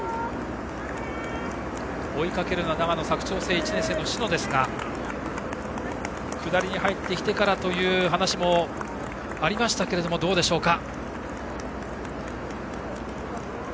追いかけるのは長野・佐久長聖１年生の篠ですが下りに入ってきてからという話もありましたが、どうでしょうか。